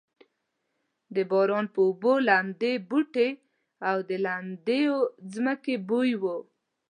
د باران په اوبو لمدې بوټې او د لوندې ځمکې بوی و.